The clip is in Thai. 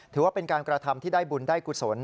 ถือว่าเป็นการกระทำที่ได้บุญได้กุศล